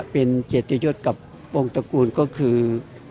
เป็นเกียรติยศกับองค์ตระกูลก็คือ